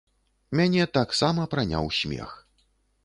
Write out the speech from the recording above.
Мяне таксама праняў смех.